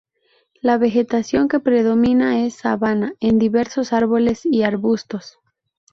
La vegetación que predomina es sabana con diversos árboles y arbustos.